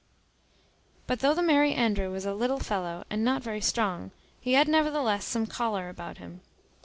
But though the Merry Andrew was a little fellow, and not very strong, he had nevertheless some choler about him.